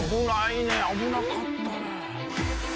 危なかったね。